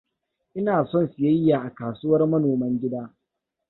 Ina son siyayya a kasuwar manoman gida.